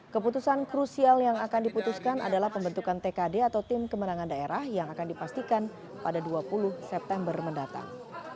keputusan krusial yang akan diputuskan adalah pembentukan tkd atau tim kemenangan daerah yang akan dipastikan pada dua puluh september mendatang